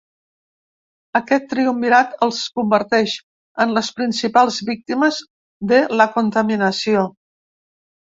Aquest triumvirat els converteix en les principals víctimes de la contaminació.